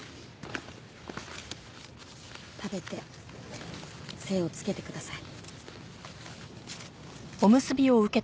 食べて精をつけてください。